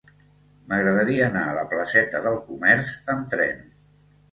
M'agradaria anar a la placeta del Comerç amb tren.